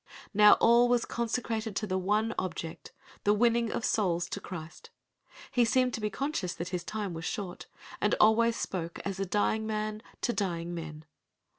Now all was consecrated to the one object—the winning of souls to Christ. He seemed to be conscious that his time was short, and always spoke as "a dying man to dying men."